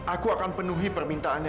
aku akan penuhi permintaannya